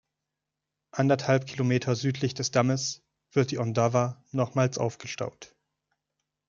Anderthalb Kilometer südlich des Dammes wird die Ondava nochmals aufgestaut.